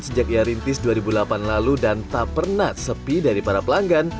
sejak ia rintis dua ribu delapan lalu dan tak pernah sepi dari para pelanggan